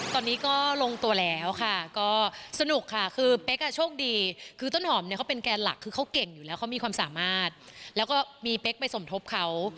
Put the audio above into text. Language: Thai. ตอนนี้ก็ลงตัวแล้วค่ะก็สนุกค่ะคือเป๊กอ่ะโชคดีคือต้นหอมเนี่ยเขาเป็นแกนหลักคือเขาเก่งอยู่แล้วเขามีความสามารถแล้วก็มีเป๊กไปสมทบเขา